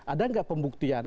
ada nggak pembuktian